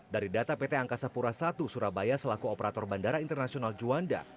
dari data pt angkasa pura i surabaya selaku operator bandara internasional juanda